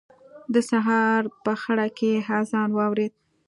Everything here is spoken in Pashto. د سهار په خړه کې يې اذان واورېد.